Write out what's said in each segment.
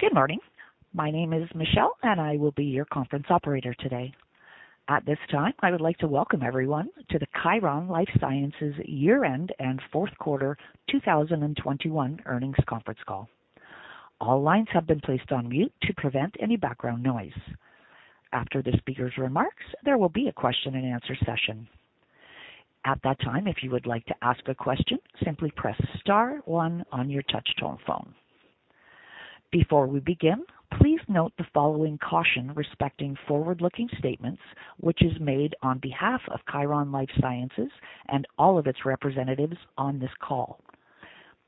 Good morning. My name is Michelle, and I will be your conference operator today. At this time, I would like to welcome everyone to the Khiron Life Sciences year-end and fourth quarter 2021 earnings conference call. All lines have been placed on mute to prevent any background noise. After the speaker's remarks, there will be a question and answer session. At that time, if you would like to ask a question, simply press star one on your touch tone phone. Before we begin, please note the following caution respecting forward-looking statements, which is made on behalf of Khiron Life Sciences and all of its representatives on this call.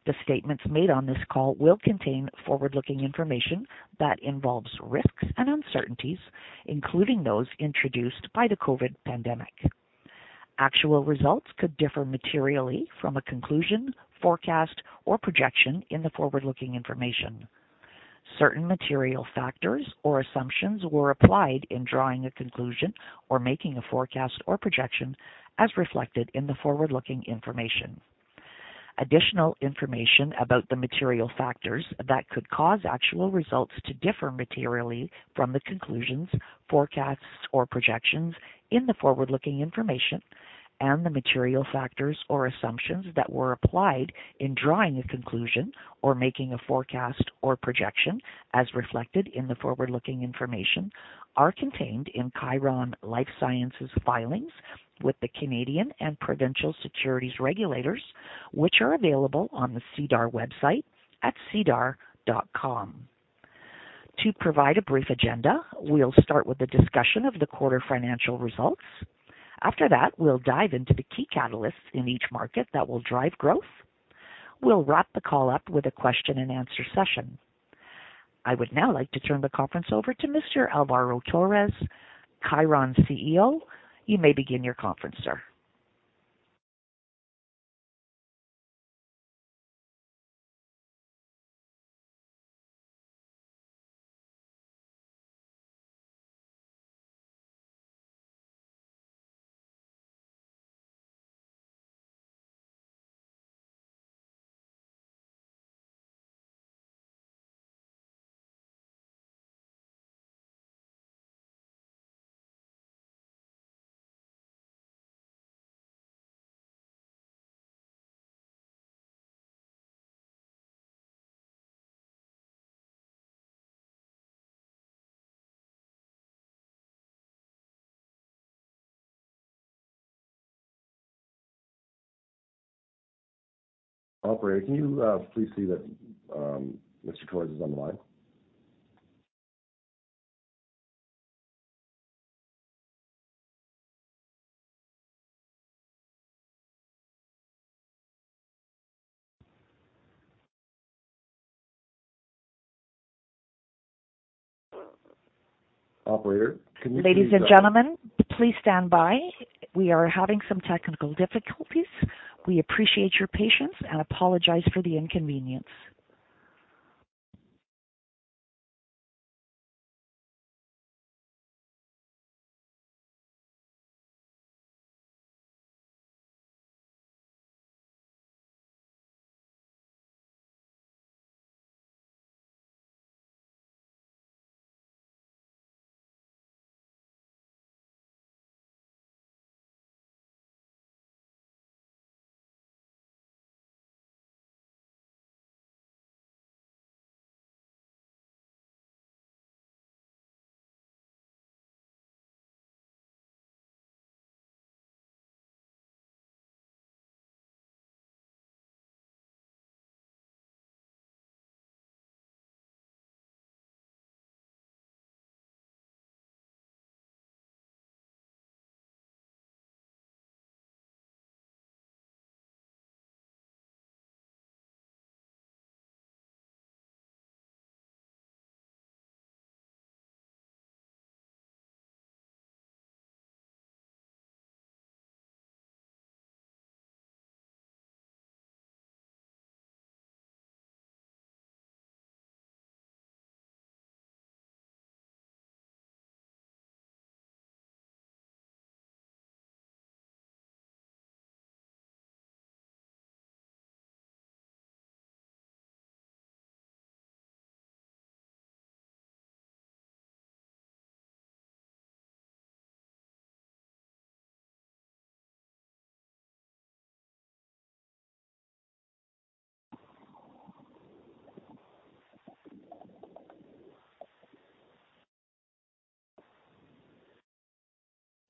The statements made on this call will contain forward-looking information that involves risks and uncertainties, including those introduced by the COVID pandemic. Actual results could differ materially from a conclusion, forecast, or projection in the forward-looking information. Certain material factors or assumptions were applied in drawing a conclusion or making a forecast or projection as reflected in the forward-looking information. Additional information about the material factors that could cause actual results to differ materially from the conclusions, forecasts, or projections in the forward-looking information and the material factors or assumptions that were applied in drawing a conclusion or making a forecast or projection as reflected in the forward-looking information are contained in Khiron Life Sciences filings with the Canadian and Provincial Securities Regulators, which are available on the SEDAR website at sedar.com. To provide a brief agenda, we'll start with the discussion of the quarter financial results. After that, we'll dive into the key catalysts in each market that will drive growth. We'll wrap the call up with a question and answer session. I would now like to turn the conference over to Mr. Alvaro Torres, Khiron CEO. You may begin your conference, sir. Operator, can you please see that Mr. Torres is on the line? Ladies and gentlemen, please stand by. We are having some technical difficulties. We appreciate your patience and apologize for the inconvenience.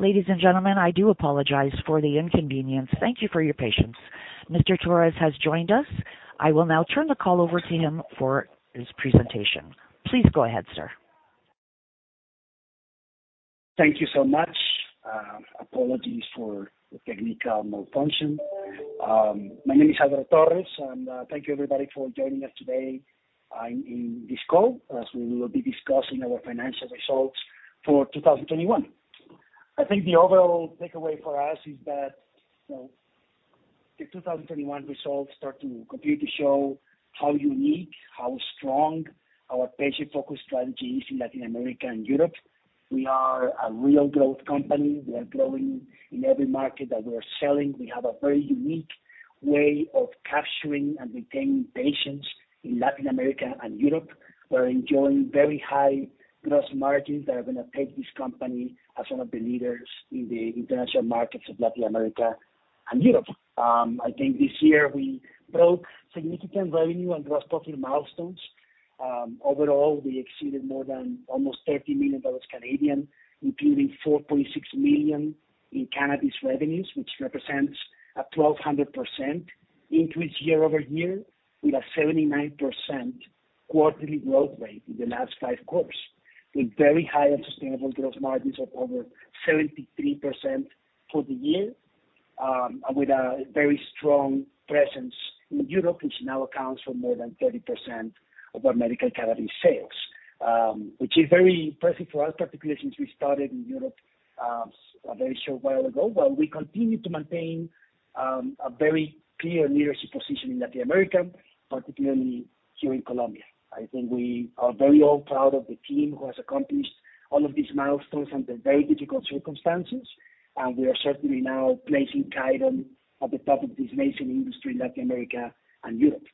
Ladies and gentlemen, I do apologize for the inconvenience. Thank you for your patience. Mr. Torres has joined us. I will now turn the call over to him for his presentation. Please go ahead, sir. Thank you so much. Apologies for the technical malfunction. My name is Alvaro Torres, and thank you everybody for joining us today, in this call as we will be discussing our financial results for 2021. I think the overall takeaway for us is that, you know, the 2021 results start to completely show how unique, how strong our patient-focused strategy is in Latin America and Europe. We are a real growth company. We are growing in every market that we are selling. We have a very unique way of capturing and retaining patients in Latin America and Europe. We're enjoying very high gross margins that are gonna take this company as one of the leaders in the international markets of Latin America and Europe. I think this year we broke significant revenue and gross profit milestones. Overall, we exceeded more than almost 30 million Canadian dollars, including 4.6 million in cannabis revenues, which represents a 1,200% increase year-over-year, with a 79% quarterly growth rate in the last five quarters, with very high and sustainable gross margins of over 73% for the year, with a very strong presence in Europe, which now accounts for more than 30% of our medical cannabis sales. Which is very impressive for us, particularly since we started in Europe a very short while ago. While we continue to maintain a very clear leadership position in Latin America, particularly here in Colombia. I think we are very proud of the team who has accomplished all of these milestones under very difficult circumstances. We are certainly now placing Khiron at the top of this amazing industry in Latin America and Europe.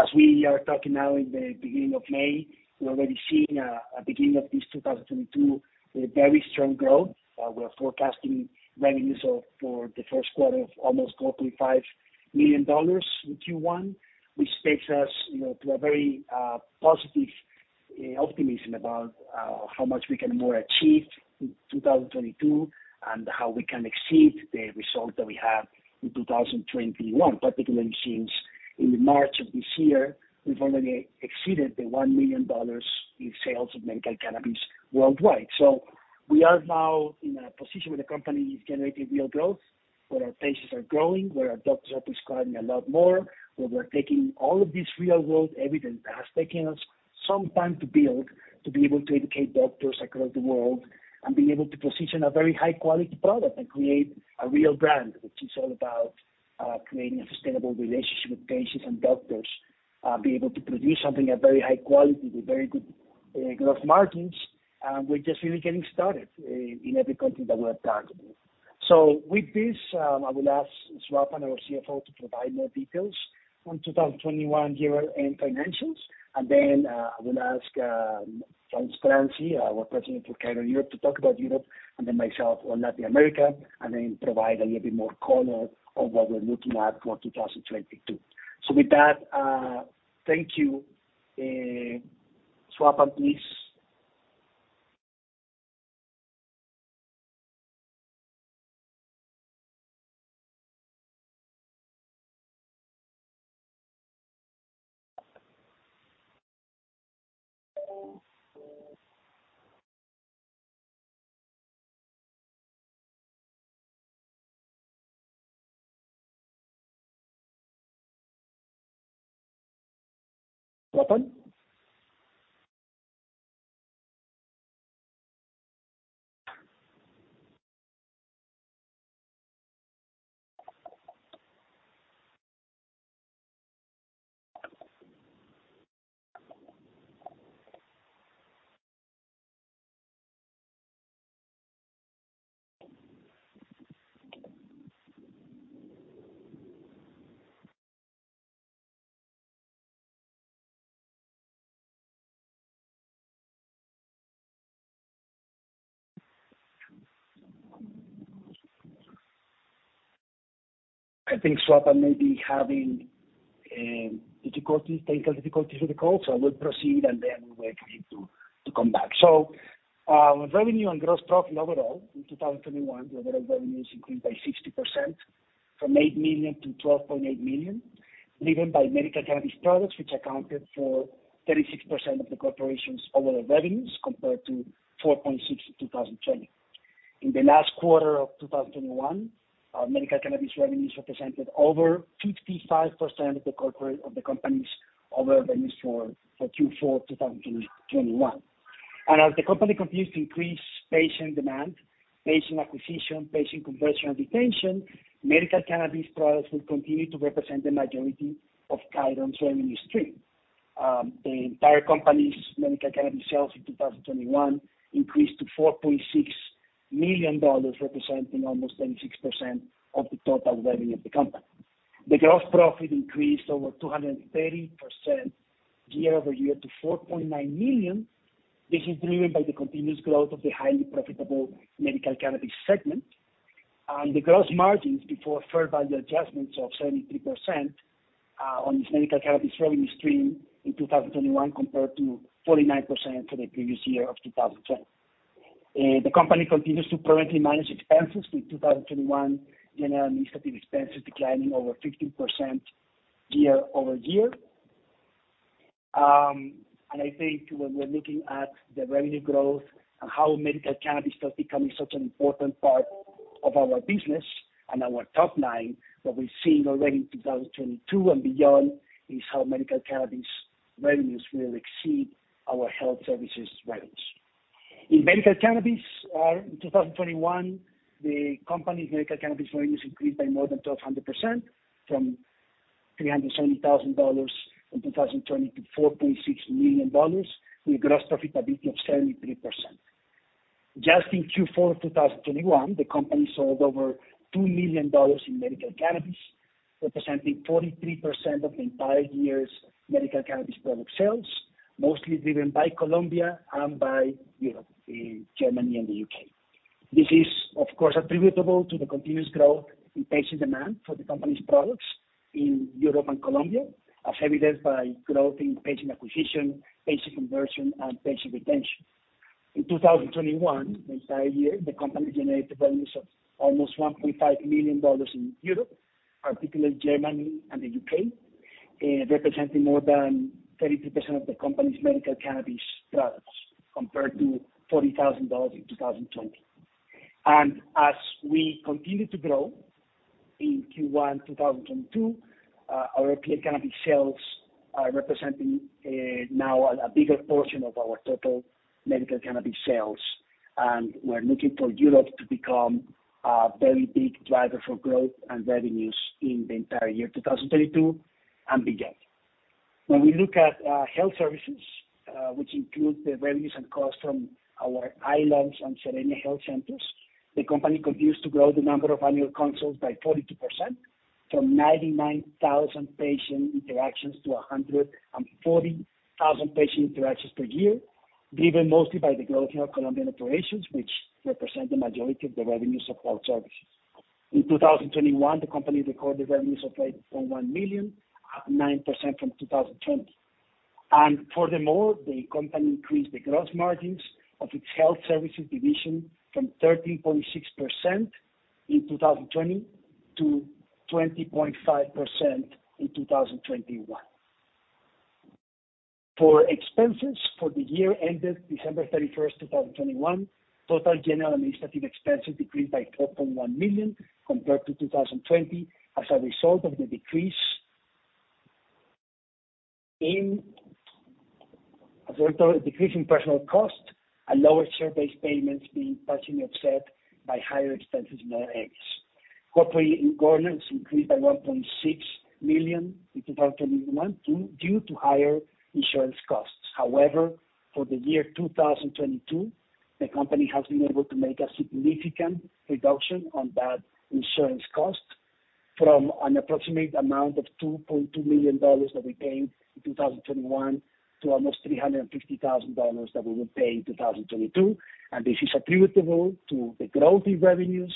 As we are talking now in the beginning of May, we're already seeing a beginning of this 2022 with a very strong growth. We're forecasting revenues of for the first quarter of almost $45 million in Q1, which takes us, you know, to a very positive optimism about how much we can more achieve in 2022 and how we can exceed the result that we have in 2021. Particularly since in the March of this year, we've already exceeded the $1 million in sales of medical cannabis worldwide. We are now in a position where the company is generating real growth, where our patients are growing, where our doctors are prescribing a lot more, where we're taking all of this real-world evidence that has taken us some time to build, to be able to educate doctors across the world and be able to position a very high quality product and create a real brand, which is all about creating a sustainable relationship with patients and doctors. Be able to produce something at very high quality with very good gross margins. We're just really getting started in every country that we're targeting. With this, I will ask Swapan, our CFO, to provide more details on 2021 year-end financials. I will ask Franziska Katterbach, our president for Khiron Europe, to talk about Europe, and then myself on Latin America, and then provide a little bit more color on what we're looking at for 2022. With that, thank you. Swapan, please. Swapan? I think Swapan may be having difficulties, technical difficulties with the call, so I will proceed and then we're waiting to come back. Revenue and gross profit overall in 2021, the overall revenues increased by 60% from 8 million to 12.8 million, driven by medical cannabis products, which accounted for 36% of the corporation's overall revenues compared to 4.6% in 2020. In the last quarter of 2021, our medical cannabis revenues represented over 55% of the company's overall revenues for Q4 2021. As the company continues to increase patient demand, patient acquisition, patient conversion and retention, medical cannabis products will continue to represent the majority of Khiron's revenue stream. The entire company's medical cannabis sales in 2021 increased to $4.6 million, representing almost 26% of the total revenue of the company. The gross profit increased over 230% year-over-year to $4.9 million. This is driven by the continuous growth of the highly profitable medical cannabis segment. The gross margins before fair value adjustments of 73%, on its medical cannabis revenue stream in 2021, compared to 49% for the previous year of 2020. The company continues to prudently manage expenses, with 2021 general administrative expenses declining over 15% year over year. I think when we're looking at the revenue growth and how medical cannabis starts becoming such an important part of our business and our top line, what we're seeing already in 2022 and beyond is how medical cannabis revenues will exceed our health services revenues. In medical cannabis, in 2021, the company's medical cannabis revenues increased by more than 1,200% from 370,000 dollars in 2020 to 4.6 million dollars, with gross profitability of 73%. Just in Q4 2021, the company sold over 2 million dollars in medical cannabis, representing 43% of the entire year's medical cannabis product sales, mostly driven by Colombia and by Europe, Germany and the UK. This is, of course, attributable to the continuous growth in patient demand for the company's products in Europe and Colombia, as evidenced by growth in patient acquisition, patient conversion, and patient retention. In 2021, the entire year, the company generated revenues of almost $1.5 million in Europe, particularly Germany and the U.K., representing more than 32% of the company's medical cannabis products, compared to $40,000 in 2020. As we continue to grow in Q1 2022, our European cannabis sales are representing now a bigger portion of our total medical cannabis sales. We're looking for Europe to become a very big driver for growth and revenues in the entire year 2022 and beyond. When we look at health services, which include the revenues and costs from our ILANS and Zerenia health centers, the company continues to grow the number of annual consults by 42% from 99,000 patient interactions to 140,000 patient interactions per year, driven mostly by the growth in our Colombian operations, which represent the majority of the revenues of health services. In 2021, the company recorded revenues of 8.1 million, up 9% from 2020. Furthermore, the company increased the gross margins of its health services division from 13.6% in 2020 to 20.5% in 2021. For expenses for the year ended December 31, 2021, total general administrative expenses decreased by 12.1 million compared to 2020, as a result of the decrease in personnel costs and lower share-based payments being partially offset by higher expenses in other areas. Corporate and governance increased by 1.6 million in 2021 due to higher insurance costs. However, for the year 2022, the company has been able to make a significant reduction on that insurance cost from an approximate amount of 2.2 million dollars that we paid in 2021 to almost 350,000 dollars that we will pay in 2022. This is attributable to the growth in revenues,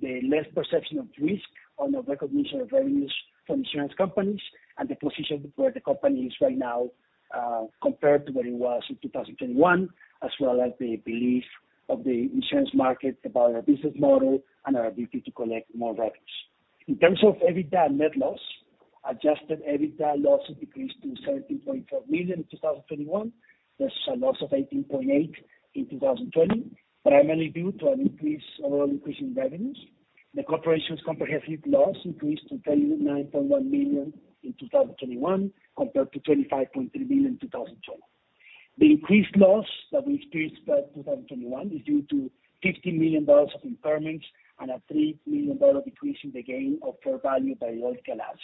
the less perception of risk on the recognition of revenues from insurance companies, and the position where the company is right now, compared to where it was in 2021, as well as the belief of the insurance market about our business model and our ability to collect more revenues. In terms of EBITDA and net loss, adjusted EBITDA loss decreased to 13.4 million in 2021 versus a loss of 18.8 million in 2020, primarily due to an increase in revenues. The corporation's comprehensive loss increased to 29.1 million in 2021 compared to 25.3 million in 2020. The increased loss that we experienced in 2021 is due to $50 million of impairments and a $3 million decrease in the gain of fair value biological assets,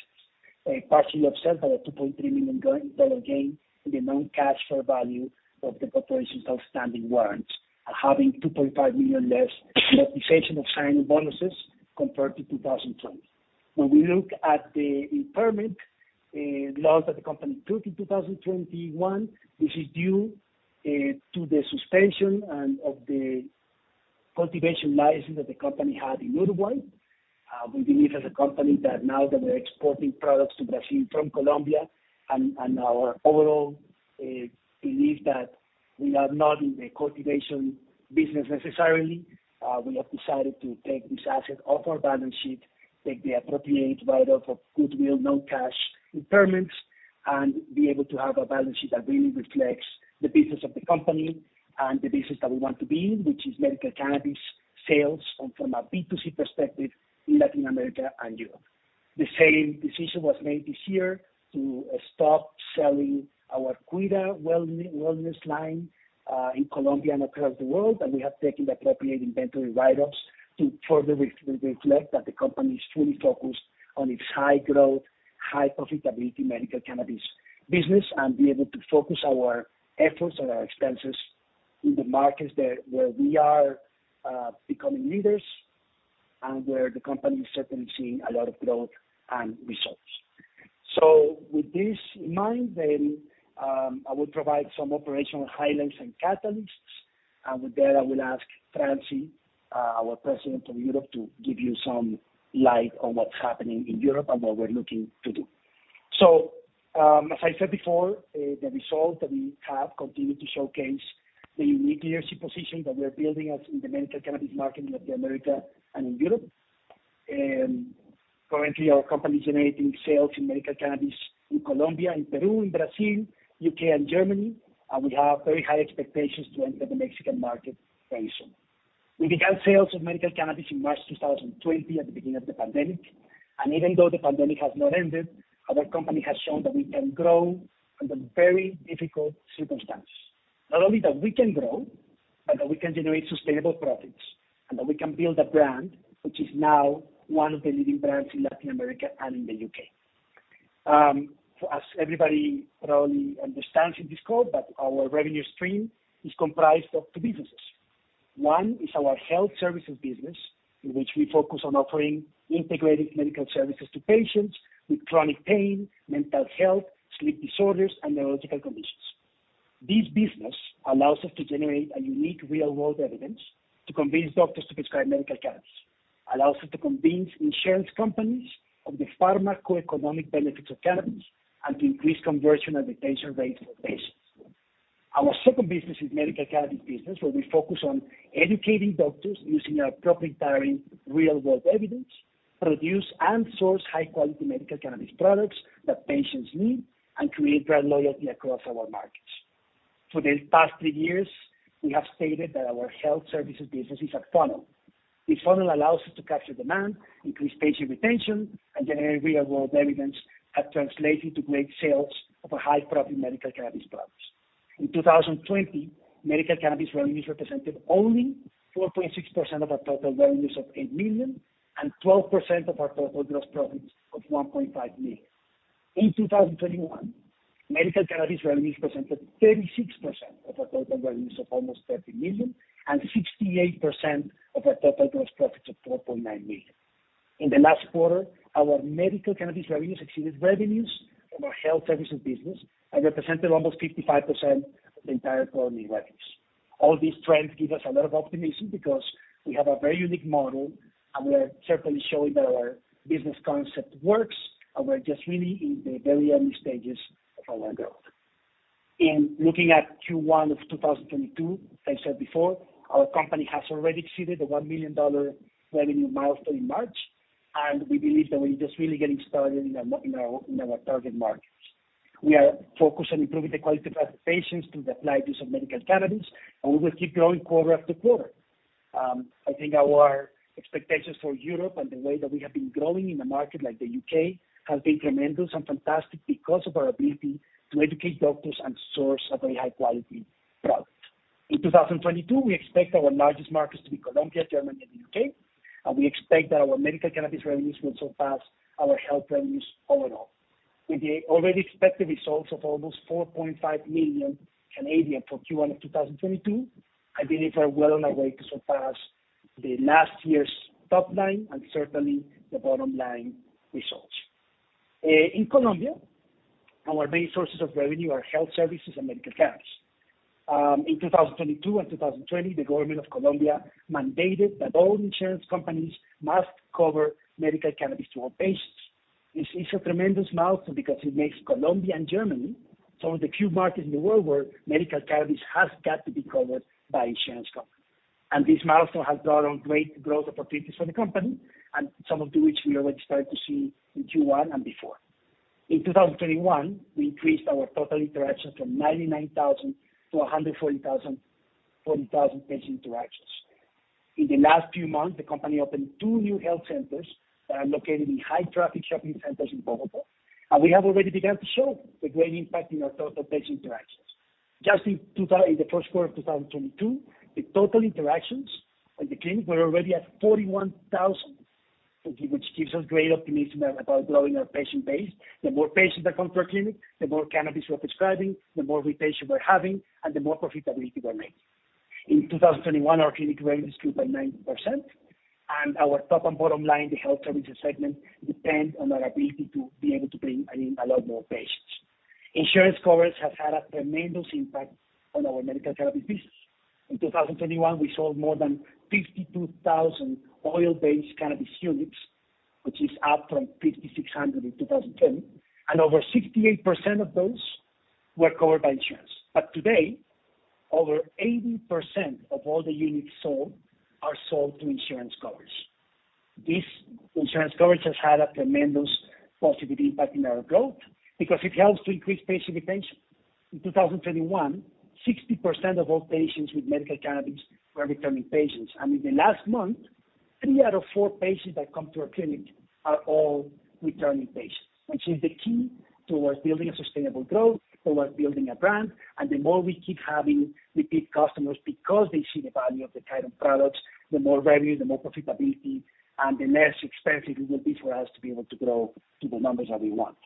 partially offset by a $2.3 million dollar gain in the non-cash fair value of the corporation's outstanding warrants, and having $2.5 million less amortization of signing bonuses compared to 2020. When we look at the impairment loss that the company took in 2021, this is due to the suspension of the cultivation license that the company had in Uruguay. We believe as a company that now that we're exporting products to Brazil from Colombia and our overall belief that we are not in the cultivation business necessarily, we have decided to take this asset off our balance sheet, take the appropriate write-off of goodwill non-cash impairments, and be able to have a balance sheet that really reflects the business of the company and the business that we want to be in, which is medical cannabis sales from a B2C perspective in Latin America and Europe. The same decision was made this year to stop selling our Kuida cosmeceutical line in Colombia and across the world, and we have taken the appropriate inventory write-ups to further reflect that the company is fully focused on its high growth, high profitability medical cannabis business and be able to focus our efforts and our expenses in the markets where we are becoming leaders and where the company is certainly seeing a lot of growth and results. With this in mind then, I will provide some operational highlights and catalysts. With that, I will ask Franziska Katterbach, our President, Europe, to give you some light on what's happening in Europe and what we're looking to do. As I said before, the results that we have continued to showcase the unique leadership position that we are building as in the medical cannabis market in Latin America and in Europe. Currently, our company is generating sales in medical cannabis in Colombia and Peru and Brazil, UK and Germany, and we have very high expectations to enter the Mexican market very soon. We began sales of medical cannabis in March 2020 at the beginning of the pandemic. Even though the pandemic has not ended, our company has shown that we can grow under very difficult circumstances. Not only that we can grow and that we can generate sustainable profits, and that we can build a brand which is now one of the leading brands in Latin America and in the UK. As everybody probably understands in this call that our revenue stream is comprised of two businesses. One is our health services business, in which we focus on offering integrated medical services to patients with chronic pain, mental health, sleep disorders, and neurological conditions. This business allows us to generate a unique real-world evidence to convince doctors to prescribe medical cannabis. Allows us to convince insurance companies of the pharmacoeconomic benefits of cannabis and to increase conversion and retention rates for patients. Our second business is medical cannabis business, where we focus on educating doctors using our proprietary real-world evidence, produce and source high-quality medical cannabis products that patients need, and create brand loyalty across our markets. For the past three years, we have stated that our health services business is a funnel. This funnel allows us to capture demand, increase patient retention, and generate real-world evidence that translates into great sales of our high profit medical cannabis products. In 2020, medical cannabis revenues represented only 4.6% of our total revenues of 8 million and 12% of our total gross profits of 1.5 million. In 2021, medical cannabis revenues presented 36% of our total revenues of almost 30 million and 68% of our total gross profits of 4.9 million. In the last quarter, our medical cannabis revenues exceeded revenues from our health services business and represented almost 55% of the entire company revenues. All these trends give us a lot of optimism because we have a very unique model, and we're certainly showing that our business concept works, and we're just really in the very early stages of our growth. In looking at Q1 of 2022, as I said before, our company has already exceeded the $1 million revenue milestone in March, and we believe that we're just really getting started in our target markets. We are focused on improving the quality of life of patients through the use of medical cannabis, and we will keep growing quarter after quarter. I think our expectations for Europe and the way that we have been growing in a market like the UK. has been tremendous and fantastic because of our ability to educate doctors and source a very high quality product. In 2022, we expect our largest markets to be Colombia, Germany, and the UK., and we expect that our medical cannabis revenues will surpass our health revenues overall. With the already expected results of almost 4.5 million for Q1 of 2022, I believe we are well on our way to surpass last year's top line and certainly the bottom line results. In Colombia, our main sources of revenue are health services and medical cannabis. In 2022 and 2020, the government of Colombia mandated that all insurance companies must cover medical cannabis to all patients. This is a tremendous milestone because it makes Colombia and Germany some of the few markets in the world where medical cannabis has got to be covered by insurance companies. This milestone has brought on great growth opportunities for the company, and some of which we already started to see in Q1 and before. In 2021, we increased our total interactions from 99,000 to 140,000, 40,000 patient interactions. In the last few months, the company opened two new health centers that are located in high traffic shopping centers in Bogotá, and we have already begun to show the great impact in our total patient interactions. Just in the first quarter of 2022, the total interactions in the clinic were already at 41,000, which gives us great optimism about growing our patient base. The more patients that come to our clinic, the more cannabis we're prescribing, the more retention we're having, and the more profitability we're making. In 2021, our clinic revenue grew by 90%. Our top and bottom line, the health services segment, depend on our ability to be able to bring in a lot more patients. Insurance coverage has had a tremendous impact on our medical cannabis business. In 2021, we sold more than 52,000 oil-based cannabis units, which is up from 5,600 in 2020, and over 68% of those were covered by insurance. Today, over 80% of all the units sold are sold through insurance coverage. This insurance coverage has had a tremendous positive impact in our growth because it helps to increase patient retention. In 2021, 60% of all patients with medical cannabis were returning patients. In the last month, three out of four patients that come to our clinic are all returning patients, which is the key towards building a sustainable growth, towards building a brand. The more we keep having repeat customers because they see the value of the Khiron products, the more revenue, the more profitability, and the less expensive it will be for us to be able to grow to the numbers that we want.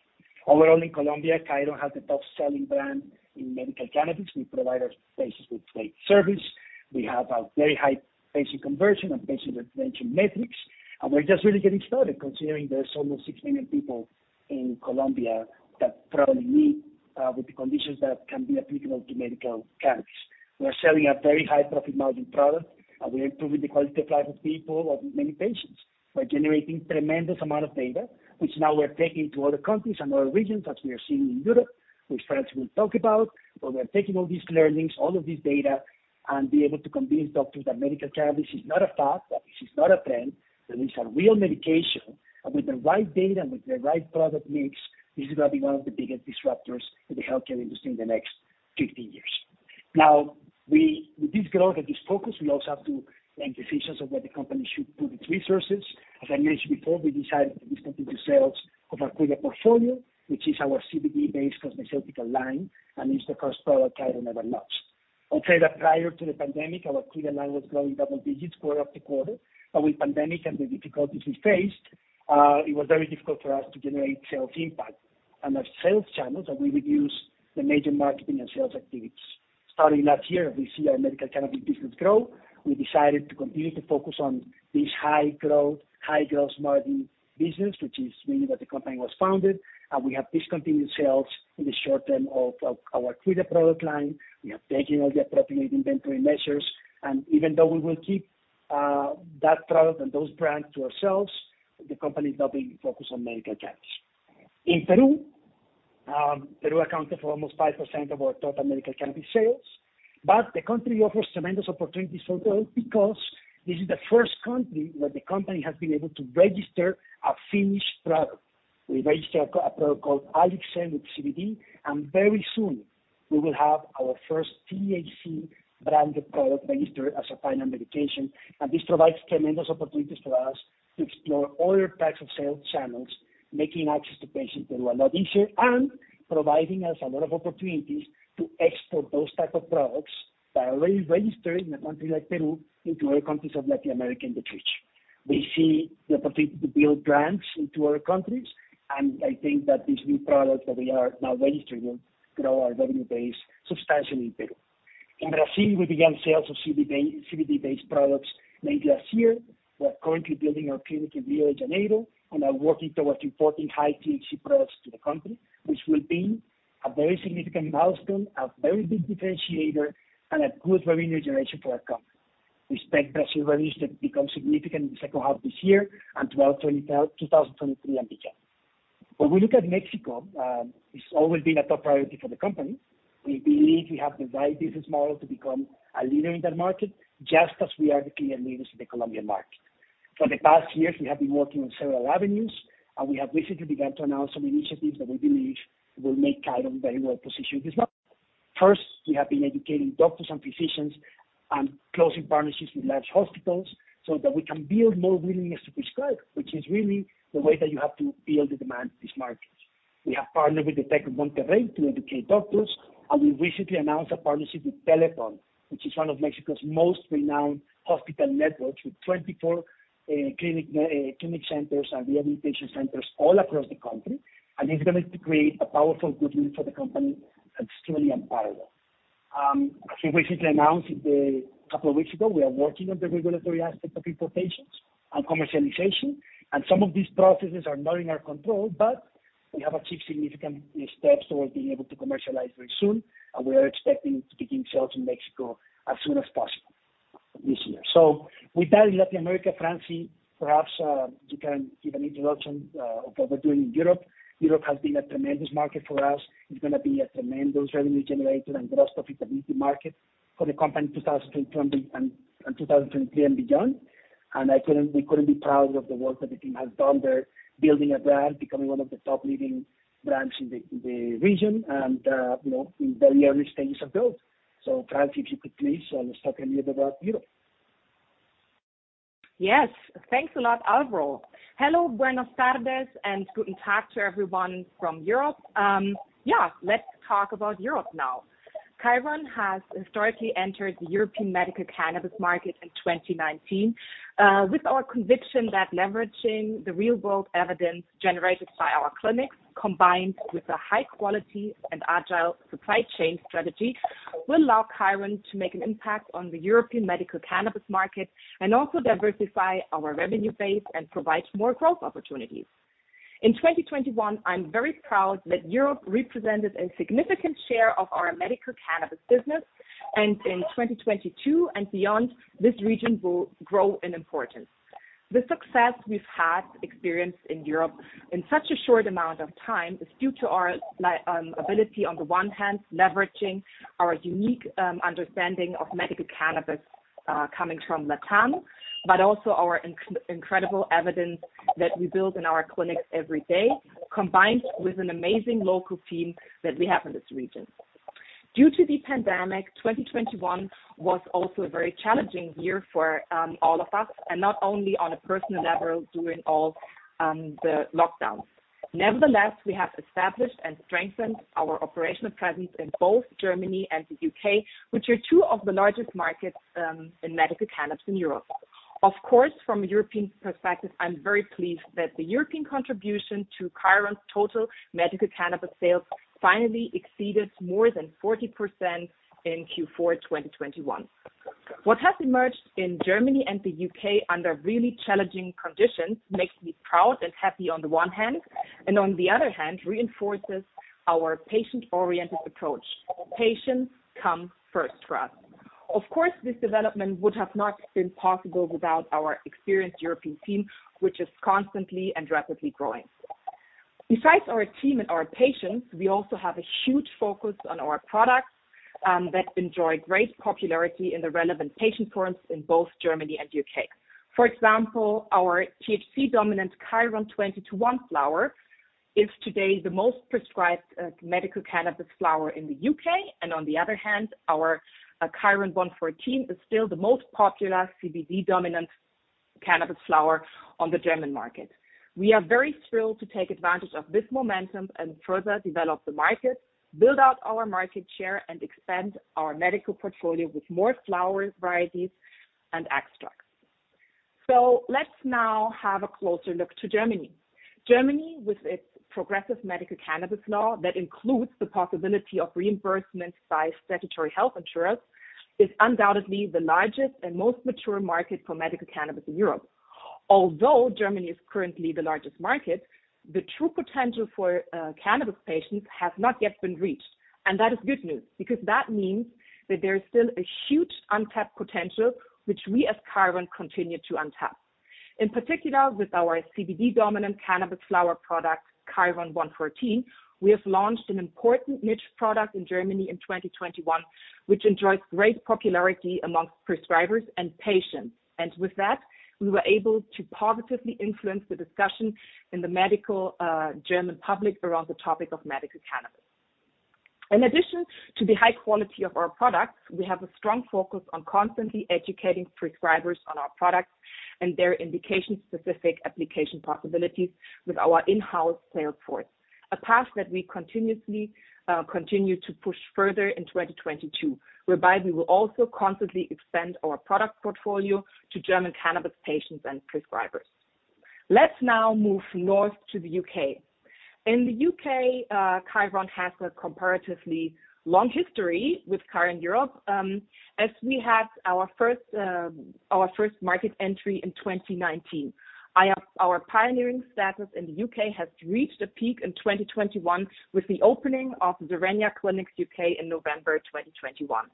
Overall, in Colombia, Khiron has the top selling brand in medical cannabis. We provide our patients with great service. We have a very high patient conversion and patient retention metrics. We're just really getting started, considering there's almost 6 million people in Colombia that probably need with the conditions that can be applicable to medical cannabis. We're selling a very high profit margin product, and we're improving the quality of life of people of many patients. We're generating tremendous amount of data, which now we're taking to other countries and other regions, as we are seeing in Europe, which Franziska will talk about. We're taking all these learnings, all of this data, and be able to convince doctors that medical cannabis is not a fad, that this is not a trend, that it's a real medication. With the right data, and with the right product mix, this is gonna be one of the biggest disruptors in the healthcare industry in the next 15 years. Now, we, with this growth and this focus, we also have to think efficient of where the company should put its resources. As I mentioned before, we decided to discontinue sales of our Kuida portfolio, which is our CBD-based cosmeceutical line and is the first product Khiron ever launched. I'll say that prior to the pandemic, our Kuida line was growing double digits quarter after quarter. With pandemic and the difficulties we faced, it was very difficult for us to generate sales impact and our sales channels, and we reduced the major marketing and sales activities. Starting last year, we see our medical cannabis business grow. We decided to continue to focus on this high growth, high gross margin business, which is really what the company was founded. We have discontinued sales in the short term of our Kuida product line. We are taking all the appropriate inventory measures, and even though we will keep that product and those brands to ourselves, the company is now being focused on medical cannabis. In Peru accounted for almost 5% of our total medical cannabis sales. The country offers tremendous opportunities for growth, because this is the first country where the company has been able to register a finished product. We registered a product called Alixen with CBD, and very soon we will have our first THC branded product registered as a final medication. This provides tremendous opportunities for us to explore other types of sales channels, making access to patients in Peru a lot easier and providing us a lot of opportunities to export those type of products that are already registered in a country like Peru into other countries of Latin America in the future. We see the opportunity to build brands into other countries, and I think that these new products that we are now registering will grow our revenue base substantially in Peru. In Brazil, we began sales of CBD-based products late last year. We're currently building our clinic in Rio de Janeiro and are working towards importing high-THC products to the country, which will be a very significant milestone, a very big differentiator, and a good revenue generation for our company. We expect Brazil revenues to become significant in the second half of this year and 2022 and 2023 and beyond. When we look at Mexico, it's always been a top priority for the company. We believe we have the right business model to become a leader in that market, just as we are the clear leaders in the Colombian market. For the past years, we have been working on several avenues, and we have recently begun to announce some initiatives that we believe will make Khiron very well positioned in this market. First, we have been educating doctors and physicians and closing partnerships with large hospitals so that we can build more willingness to prescribe, which is really the way that you have to build the demand in these markets. We have partnered with the Tec de Monterrey to educate doctors, and we recently announced a partnership with Teletón, which is one of Mexico's most renowned hospital networks, with 24 clinic centers and rehabilitation centers all across the country. It's going to create a powerful foot in for the company that's truly unparalleled. As we recently announced a couple of weeks ago, we are working on the regulatory aspect of importations and commercialization, and some of these processes are not in our control. We have achieved significant steps towards being able to commercialize very soon, and we are expecting to begin sales in Mexico as soon as possible this year. With that in Latin America, Franziska, perhaps you can give an introduction of what we're doing in Europe. Europe has been a tremendous market for us. It's gonna be a tremendous revenue generator and gross profitability market for the company 2020 and 2023 and beyond. We couldn't be prouder of the work that the team has done there, building a brand, becoming one of the top leading brands in the region and, you know, in very early stages of growth. Franzi, if you could please, let's talk a little about Europe. Yes. Thanks a lot, Alvaro. Hello, buenos tardes, and guten tag to everyone from Europe. Let's talk about Europe now. Khiron has historically entered the European medical cannabis market in 2019, with our conviction that leveraging the real-world evidence generated by our clinics, combined with a high quality and agile supply chain strategy, will allow Khiron to make an impact on the European medical cannabis market and also diversify our revenue base and provide more growth opportunities. In 2021, I'm very proud that Europe represented a significant share of our medical cannabis business, and in 2022 and beyond, this region will grow in importance. The success we've had experienced in Europe in such a short amount of time is due to our ability, on the one hand, leveraging our unique understanding of medical cannabis, coming from Latam, but also our incredible evidence that we build in our clinics every day, combined with an amazing local team that we have in this region. Due to the pandemic, 2021 was also a very challenging year for all of us, and not only on a personal level, during all the lockdowns. Nevertheless, we have established and strengthened our operational presence in both Germany and the UK., which are two of the largest markets in medical cannabis in Europe. Of course, from a European perspective, I'm very pleased that the European contribution to Khiron's total medical cannabis sales finally exceeded more than 40% in Q4 2021. What has emerged in Germany and the UK. under really challenging conditions makes me proud and happy on the one hand, and on the other hand, reinforces our patient-oriented approach. Patients come first for us. Of course, this development would have not been possible without our experienced European team, which is constantly and rapidly growing. Besides our team and our patients, we also have a huge focus on our products, that enjoy great popularity in the relevant patient forums in both Germany and UK. For example, our THC-dominant Khiron 20:1 flower is today the most prescribed, medical cannabis flower in the UK. On the other hand, our Khiron 1:14 is still the most popular CBD-dominant cannabis flower on the German market. We are very thrilled to take advantage of this momentum and further develop the market, build out our market share, and expand our medical portfolio with more flower varieties and extracts. Let's now have a closer look at Germany. Germany, with its progressive medical cannabis law that includes the possibility of reimbursement by statutory health insurers, is undoubtedly the largest and most mature market for medical cannabis in Europe. Although Germany is currently the largest market, the true potential for cannabis patients has not yet been reached. That is good news, because that means that there is still a huge untapped potential which we, as Khiron, continue to tap. In particular with our CBD dominant cannabis flower product, Khiron 1:14, we have launched an important niche product in Germany in 2021, which enjoys great popularity among prescribers and patients. With that, we were able to positively influence the discussion in the medical German public around the topic of medical cannabis. In addition to the high quality of our products, we have a strong focus on constantly educating prescribers on our products and their indication specific application possibilities with our in-house sales force. A path that we continuously continue to push further in 2022, whereby we will also constantly expand our product portfolio to German cannabis patients and prescribers. Let's now move north to the UK. In the UK, Khiron has a comparatively long history with Khiron Europe, as we had our first market entry in 2019. Our pioneering status in the UK has reached a peak in 2021 with the opening of Zerenia Clinics UK in November 2021.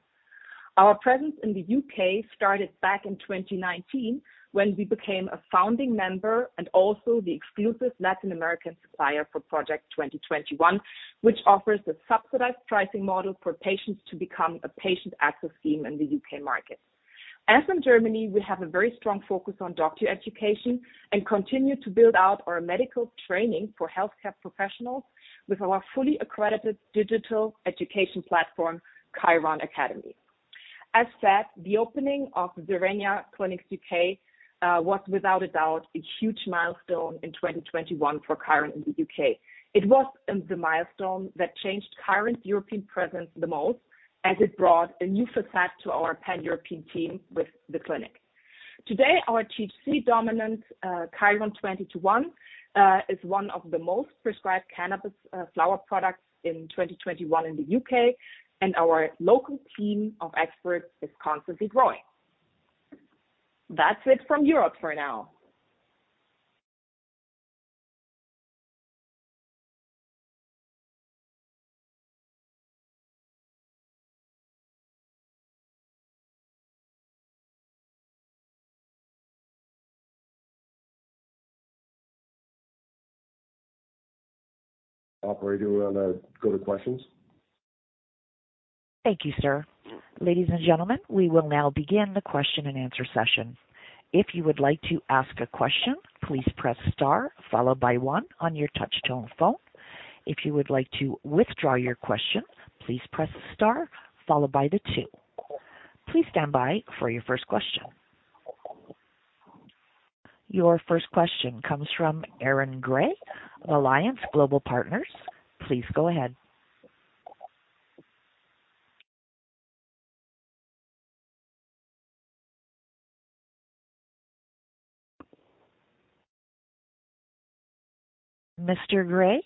Our presence in the UK started back in 2019, when we became a founding member and also the exclusive Latin American supplier for Project 2021, which offers a subsidized pricing model for patients to access treatment in the UK market. As in Germany, we have a very strong focus on doctor education and continue to build out our medical training for healthcare professionals with our fully accredited digital education platform, Khiron Academy. As said, the opening of Zerenia Clinics UK was without a doubt a huge milestone in 2021 for Khiron in the UK. It was the milestone that changed Khiron's European presence the most, as it brought a new facet to our pan-European team with the clinic. Today, our THC-dominant Khiron 20:1 is one of the most prescribed cannabis flower products in 2021 in the UK, and our local team of experts is constantly growing. That's it from Europe for now. Operator, wanna go to questions? Thank you, sir. Ladies and gentlemen, we will now begin the question and answer session. If you would like to ask a question, please press star followed by one on your touch tone phone. If you would like to withdraw your question, please press star followed by the two. Please stand by for your first question. Your first question comes from Aaron Gray of Alliance Global Partners. Please go ahead. Mr. Gray,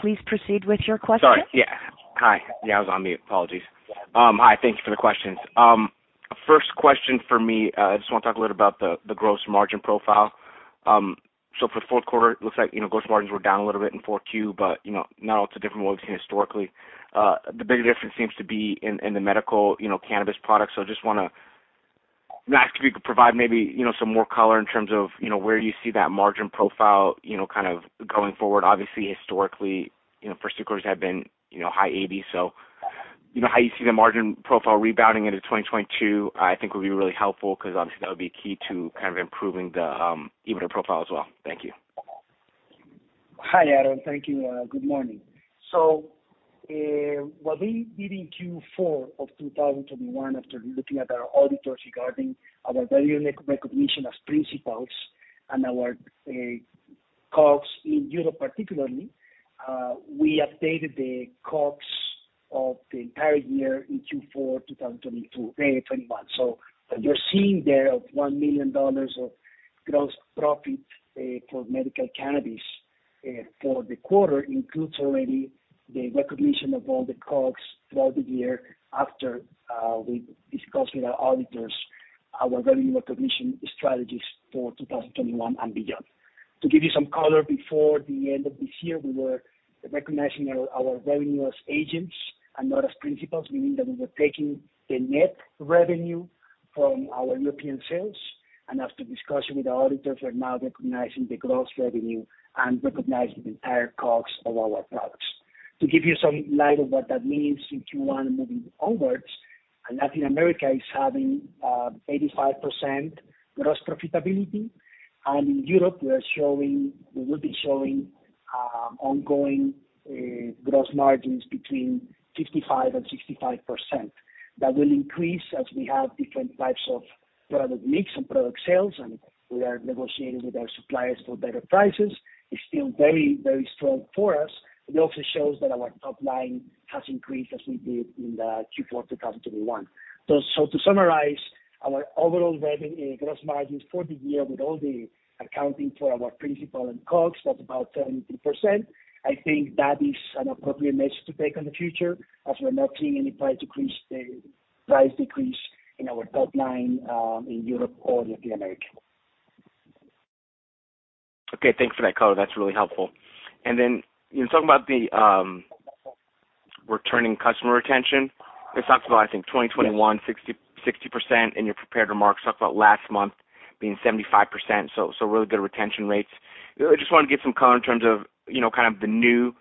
please proceed with your question. Sorry. Yeah. Hi. Yeah, I was on mute. Apologies. Hi, thank you for the questions. First question for me, I just want to talk a little about the gross margin profile. So for the fourth quarter, it looks like, you know, gross margins were down a little bit in 4Q, but, you know, now it's a different world than historically. The bigger difference seems to be in the medical, you know, cannabis products. So I just wanna ask if you could provide maybe some more color in terms of, you know, where you see that margin profile, you know, kind of going forward. Obviously, historically, you know, first two quarters have been, you know, high 80%. You know, how you see the margin profile rebounding into 2022, I think, would be really helpful, because obviously, that would be key to kind of improving the EBITDA profile as well. Thank you. Hi, Aaron. Thank you. Good morning. While we did in Q4 of 2021, after looking at our auditors regarding our revenue recognition as principals and our costs in Europe particularly, we updated the costs of the entire year in Q4 2021. What you're seeing there of $1 million of gross profit for medical cannabis for the quarter includes already the recognition of all the costs throughout the year after we discussed with our auditors our revenue recognition strategies for 2021 and beyond. To give you some color, before the end of this year, we were recognizing our revenue as agents and not as principals, meaning that we were taking the net revenue from our European sales. After discussion with the auditors, we're now recognizing the gross revenue and recognizing the entire cost of our products. To give you some light of what that means in Q1 moving onwards, Latin America is having 85% gross profitability. In Europe, we will be showing Ongoing gross margins between 65%-65%. That will increase as we have different types of product mix and product sales, and we are negotiating with our suppliers for better prices. It's still very, very strong for us. It also shows that our top line has increased as we did in the Q4 2021. To summarize, our overall revenue, gross margins for the year with all the accounting for our principal and COGS was about 33%. I think that is an appropriate measure to take on the future as we're not seeing any price decrease in our top line in Europe or Latin America. Okay. Thanks for that color. That's really helpful. Then in talking about the returning customer retention, this talks about, I think, 2021, 60% in your prepared remarks. Talked about last month being 75%, so really good retention rates. I just wanna get some color in terms of, you know, kind of the new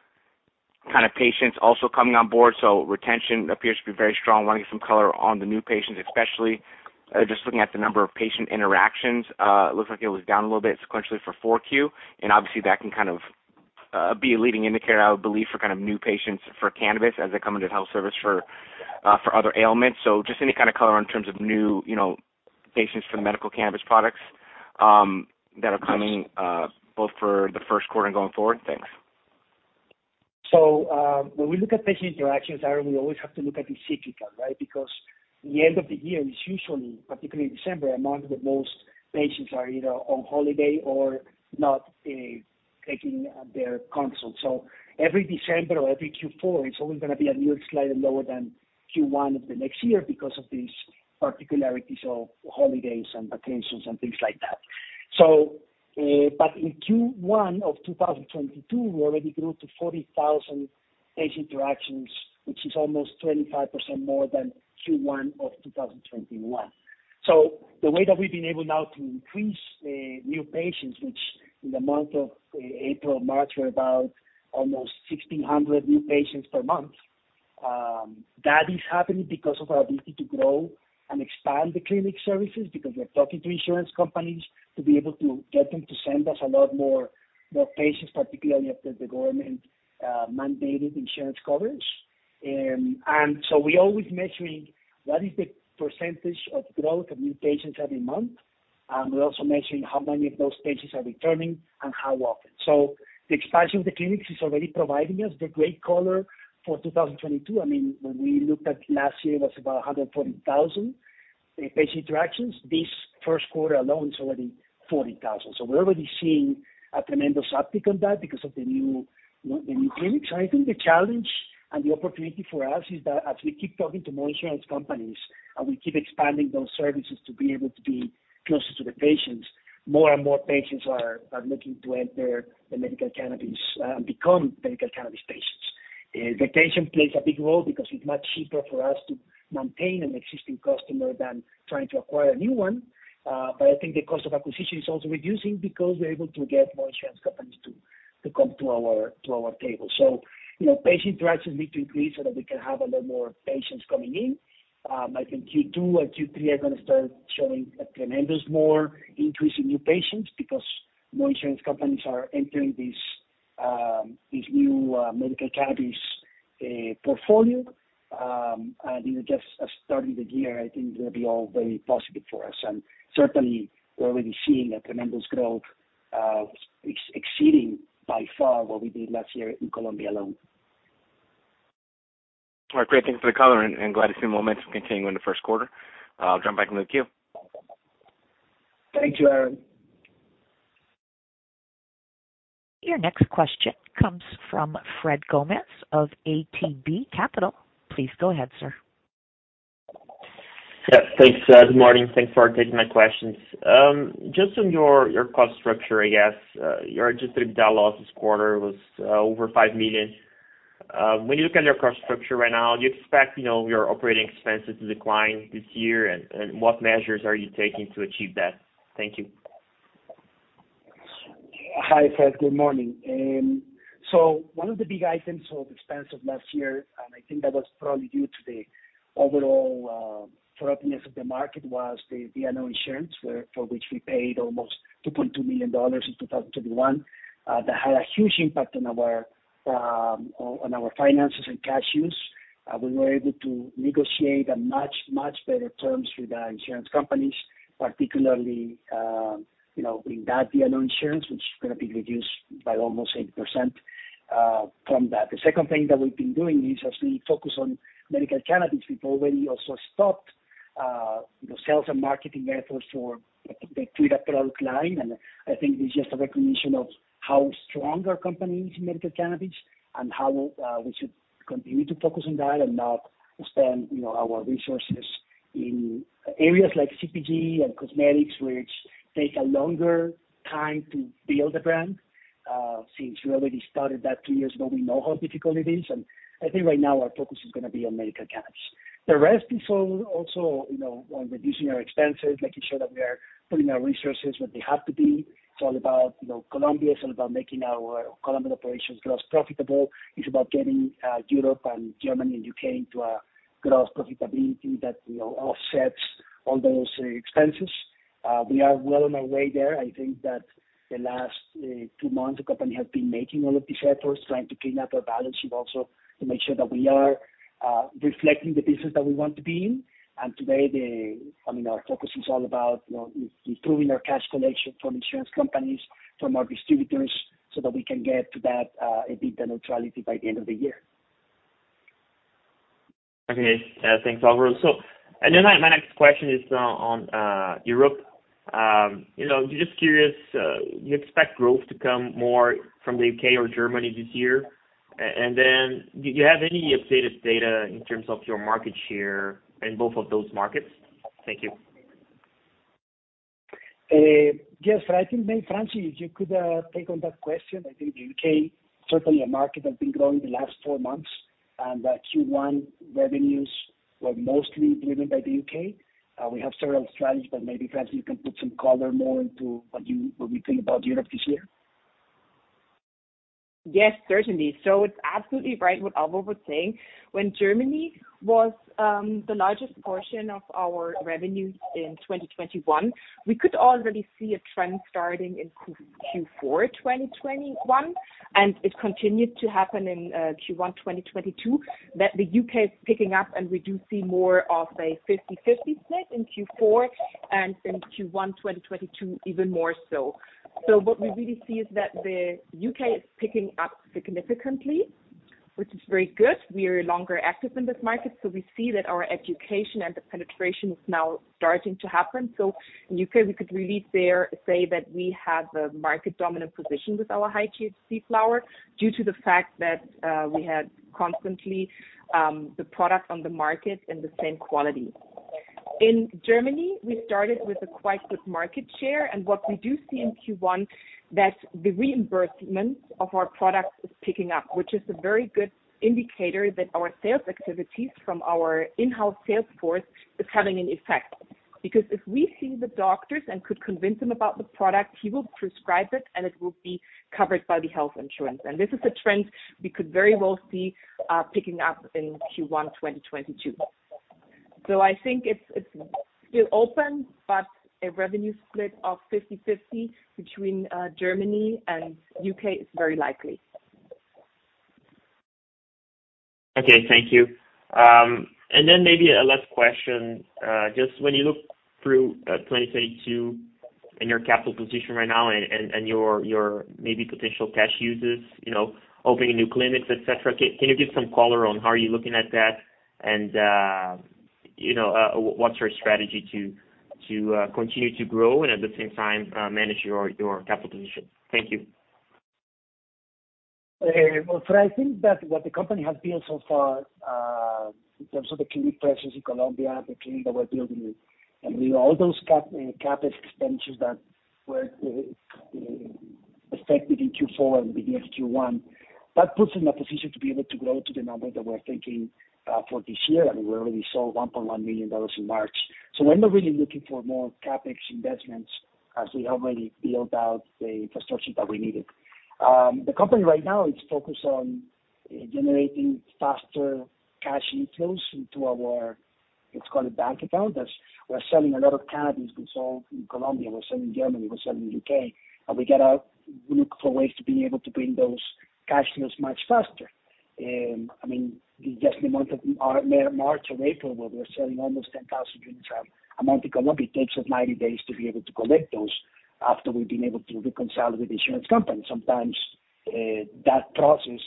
kind of patients also coming on board. Retention appears to be very strong. Wanna get some color on the new patients especially. Just looking at the number of patient interactions, looks like it was down a little bit sequentially for Q4. Obviously, that can kind of be a leading indicator, I would believe, for kind of new patients for cannabis as they come into health service for other ailments. Just any kind of color in terms of new, you know, patients for the medical cannabis products, that are coming, both for the first quarter and going forward. Thanks. When we look at patient interactions, Aaron, we always have to look at it cyclical, right? Because the end of the year is usually, particularly December, a month that most patients are either on holiday or not taking their consult. Every December or every Q4, it's always gonna be a little slightly lower than Q1 of the next year because of these particularities of holidays and vacations and things like that. In Q1 of 2022, we already grew to 40,000 patient interactions, which is almost 25% more than Q1 of 2021. The way that we've been able now to increase new patients, which in the month of March and April were about almost 1,600 new patients per month, that is happening because of our ability to grow and expand the clinic services because we're talking to insurance companies to be able to get them to send us a lot more patients, particularly after the government mandated insurance coverage. We're always measuring what is the percentage of growth of new patients every month. We're also measuring how many of those patients are returning and how often. The expansion of the clinics is already providing us the great color for 2022. I mean, when we looked at last year, it was about 140,000 patient interactions. This first quarter alone is already 40,000. We're already seeing a tremendous uptick on that because of the new clinics. I think the challenge and the opportunity for us is that as we keep talking to more insurance companies and we keep expanding those services to be able to be closer to the patients, more and more patients are looking to enter the medical cannabis, become medical cannabis patients. Retention plays a big role because it's much cheaper for us to maintain an existing customer than trying to acquire a new one. But I think the cost of acquisition is also reducing because we're able to get more insurance companies to come to our table. You know, patient interactions need to increase so that we can have a lot more patients coming in. I think Q2 and Q3 are gonna start showing a tremendous more increase in new patients because more insurance companies are entering this new, medical cannabis, portfolio. You know, just starting the year, I think they'll be all very positive for us. Certainly we're already seeing a tremendous growth, exceeding by far what we did last year in Colombia alone. All right, great. Thanks for the color and glad to see the momentum continue in the first quarter. I'll jump back into the queue. Thank you, Aaron. Your next question comes from Frederico Gomes of ATB Capital. Please go ahead, sir. Yeah, thanks. Good morning. Thanks for taking my questions. Just on your cost structure, I guess. Your adjusted EBITDA loss this quarter was over 5 million. When you look at your cost structure right now, do you expect, you know, your operating expenses to decline this year? What measures are you taking to achieve that? Thank you. Hi, Fred. Good morning. One of the big items of expense of last year, and I think that was probably due to the overall thoroughness of the market, was the D&O insurance, for which we paid almost $2.2 million in 2021. That had a huge impact on our finances and cash use. We were able to negotiate much better terms with the insurance companies, particularly, you know, in that D&O insurance, which is gonna be reduced by almost 8% from that. The second thing that we've been doing is, as we focus on medical cannabis, we've already stopped the sales and marketing efforts for the Kuida cosmeceutical line. I think it's just a recognition of how strong our company is in medical cannabis and how we should continue to focus on that and not spend, you know, our resources in areas like CPG and cosmetics, which take a longer time to build a brand. Since we already started that two years ago, we know how difficult it is, and I think right now our focus is gonna be on medical cannabis. The rest is all also, you know, on reducing our expenses, making sure that we are putting our resources where they have to be. It's all about, you know, Colombia. It's all about making our Colombia operations gross profitable. It's about getting Europe and Germany and UK. into a gross profitability that, you know, offsets all those expenses. We are well on our way there. I think that the last two months, the company has been making all of these efforts trying to clean up our balance sheet also to make sure that we are reflecting the business that we want to be in. Today, I mean, our focus is all about, you know, improving our cash collection from insurance companies, from our distributors, so that we can get to that EBITDA neutrality by the end of the year. Thanks, Alvaro. My next question is on Europe. You know, just curious, you expect growth to come more from the UK or Germany this year? Do you have any updated data in terms of your market share in both of those markets? Thank you. Yes. I think, maybe, Franziska, if you could, take on that question. I think the UK, certainly a market that's been growing the last four months, and the Q1 revenues were mostly driven by the UK. We have several strategies, but maybe, Franziska, you can put some color more into what we think about Europe this year. Yes, certainly. It's absolutely right what Alvaro was saying. When Germany was the largest portion of our revenues in 2021, we could already see a trend starting in Q4 2021, and it continued to happen in Q1 2022, that the UK is picking up, and we do see more of a 50/50 split in Q4 and in Q1 2022 even more so. What we really see is that the UK is picking up significantly, which is very good. We've been active longer in this market, so we see that our education and the penetration is now starting to happen. In the UK we could really dare say that we have a market dominant position with our high THC flower due to the fact that we had constantly the product on the market and the same quality. In Germany, we started with a quite good market share, and what we do see in Q1, that the reimbursement of our products is picking up, which is a very good indicator that our sales activities from our in-house sales force is having an effect. Because if we see the doctors and could convince them about the product, he will prescribe it, and it will be covered by the health insurance. This is a trend we could very well see picking up in Q1 2022. I think it's still open, but a revenue split of 50/50 between Germany and UK is very likely. Okay. Thank you. Then maybe a last question. Just when you look through 2022 and your capital position right now and your maybe potential cash uses, you know, opening new clinics, et cetera, can you give some color on how are you looking at that? You know, what's your strategy to continue to grow and at the same time manage your capital position? Thank you. Well, I think that what the company has built so far, in terms of the clinic presence in Colombia, the clinic that we're building, all those CapEx expenditures that were effective in Q4 and the beginning of Q1, that puts us in a position to be able to grow to the number that we're thinking for this year. I mean, we already saw $1.1 million in March. We're not really looking for more CapEx investments as we already built out the infrastructure that we needed. The company right now is focused on generating faster cash inflows into our, let's call it bank account. As we're selling a lot of cannabis, we sell in Colombia, we sell in Germany, we sell in the UK, and we gotta look for ways to be able to bring those cash flows much faster. I mean, just the month of March or April, where we're selling almost 10,000 units a month in Colombia, it takes us 90 days to be able to collect those after we've been able to reconcile with the insurance company. Sometimes, that process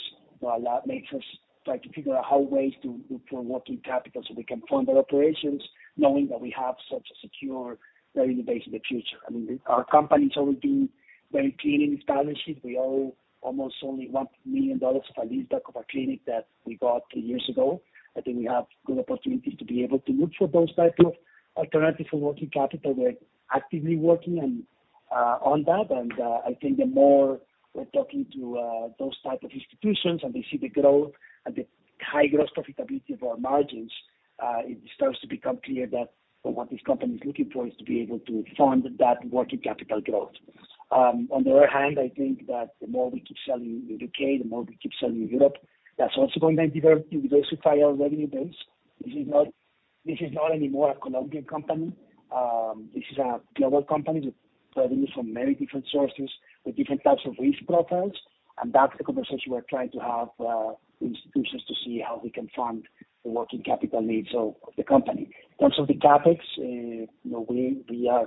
makes us try to figure out ways to working capital so we can fund our operations knowing that we have such a secure revenue base in the future. I mean, our company has always been very clean in its balance sheet. We owe almost only $1 million of a leaseback of our clinic that we got two years ago. I think we have good opportunities to be able to look for those type of alternatives for working capital. We're actively working and on that. I think the more we're talking to those type of institutions and they see the growth and the high gross profitability of our margins, it starts to become clear that what this company is looking for is to be able to fund that working capital growth. On the other hand, I think that the more we keep selling in the UK, the more we keep selling in Europe, that's also going to diversify our revenue base. This is not anymore a Colombian company. This is a global company with revenue from many different sources with different types of risk profiles. That's the conversation we're trying to have, institutions to see how we can fund the working capital needs of the company. In terms of the CapEx, you know, we are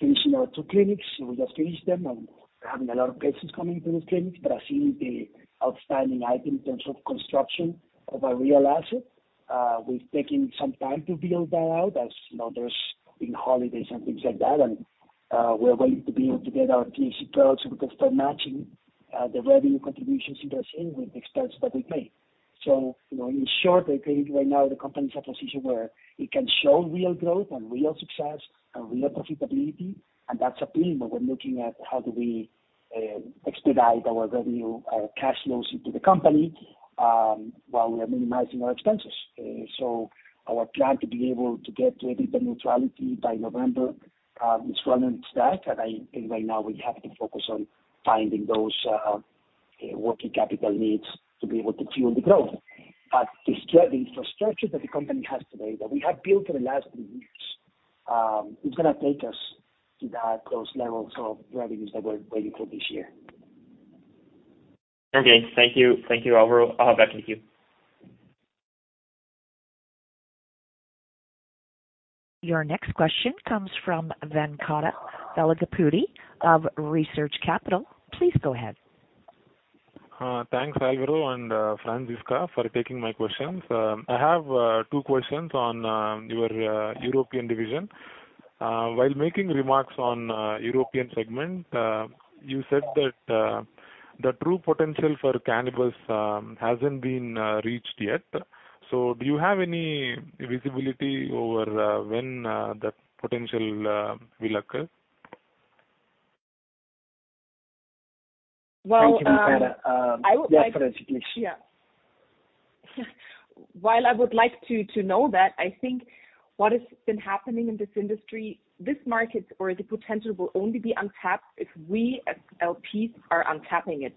finishing our two clinics, so we just finished them and we're having a lot of patients coming to those clinics. Brazil is the outstanding item in terms of construction of a real asset. We've taken some time to build that out as, you know, there's been holidays and things like that. We're waiting to be able to get our THC products so we can start matching the revenue contributions it has in with the expense that we've made. You know, in short, I think right now the company is at a position where it can show real growth and real success and real profitability, and that's a theme that we're looking at how do we expedite our revenue cash flows into the company while we are minimizing our expenses. Our plan to be able to get to EBITDA neutrality by November is well on its track. I think right now we have to focus on finding those working capital needs to be able to fuel the growth. The infrastructure that the company has today, that we have built for the last three years, is gonna take us to that, those levels of revenues that we're waiting for this year. Okay. Thank you. Thank you, Alvaro. I'll turn it back to you. Your next question comes from Venkata Velagapudi of Research Capital. Please go ahead. Thanks, Alvaro and Franziska for taking my questions. I have two questions on your European division. While making remarks on European segment, you said that the true potential for cannabis hasn't been reached yet. Do you have any visibility over when that potential will occur? Thank you, Venkata. Yeah, Franziska. Well, while I would like to know that, I think what has been happening in this industry, this market or the potential will only be untapped if we as LPs are untapping it.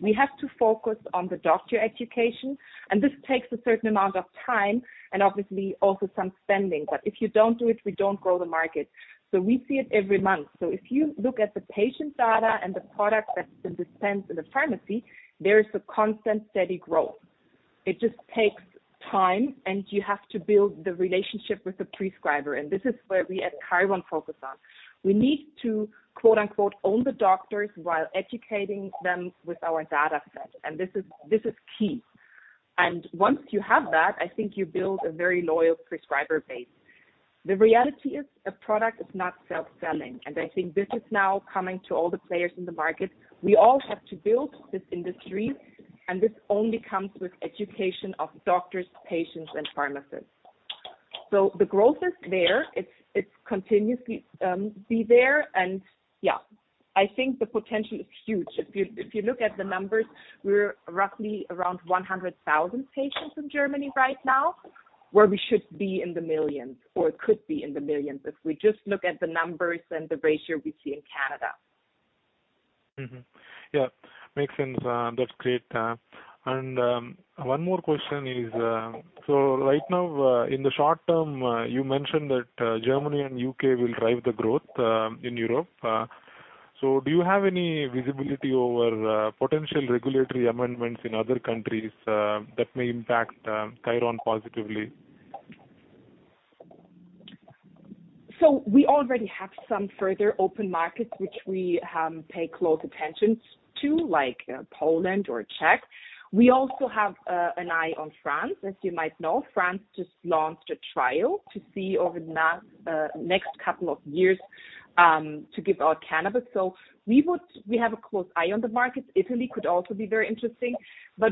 We have to focus on the doctor education, and this takes a certain amount of time and obviously also some spending. If you don't do it, we don't grow the market. We see it every month. If you look at the patient data and the product that's been dispensed in the pharmacy, there is a constant steady growth. It just takes time, and you have to build the relationship with the prescriber. This is where we at Khiron focus on. We need to, quote-unquote, "own the doctors" while educating them with our data set. This is key. Once you have that, I think you build a very loyal prescriber base. The reality is a product is not self-selling, and I think this is now coming to all the players in the market. We all have to build this industry, and this only comes with education of doctors, patients, and pharmacists. The growth is there. It's continuously being there. Yeah, I think the potential is huge. If you look at the numbers, we're roughly around 100,000 patients in Germany right now, where we should be in the millions or could be in the millions if we just look at the numbers and the ratio we see in Canada. Yeah. Makes sense. That's great. One more question is, right now, in the short term, you mentioned that, Germany and U.K. will drive the growth, in Europe. Do you have any visibility over, potential regulatory amendments in other countries, that may impact, Khiron positively? We already have some further open markets which we pay close attention to, like Poland or Czech. We also have an eye on France. As you might know, France just launched a trial to see over the next couple of years to give out cannabis. We have a close eye on the markets. Italy could also be very interesting.